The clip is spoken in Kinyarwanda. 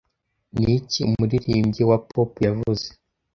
Niki umuririmbyi wa pop yavuze